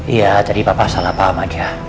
iya jadi papa salah paham aja